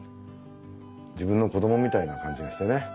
自分の子供みたいな感じがしてね。